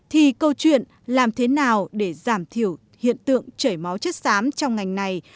thì câu chuyện làm thế nào để giảm thiểu hiện tượng chảy máu chất xám trong ngành này